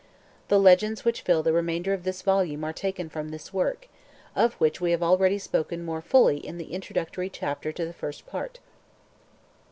The legends which fill the remainder of this volume are taken from this work, of which we have already spoken more fully in the introductory chapter to the First Part.